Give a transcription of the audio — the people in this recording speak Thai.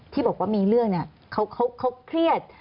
ที่บอกว่ามีเรื่องเนี่ยเขาเครียด